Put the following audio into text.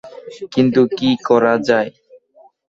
কিন্তু কি করা যায়?